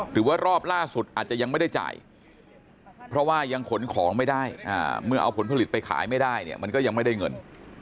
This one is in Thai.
หรือว่ารอบล่าสุดอาจจะยังไม่ได้จ่ายเพราะว่ายังขนของไม่ได้เมื่อเอาผลผลิตไปขายไม่ได้เนี่ยมันก็ยังไม่ได้เงิน